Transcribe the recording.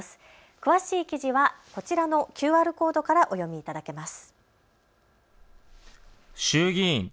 詳しい記事はこちらのＱＲコードからお読みいただけます。